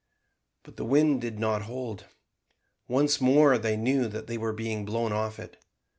But the wind did not hold. Once more they knew that they were being blown off it.